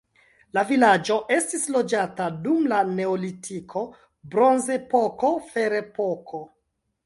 La vilaĝo estis loĝata dum la neolitiko, bronzepoko, ferepoko.